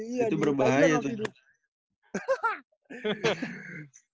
iya itu berbahaya tuh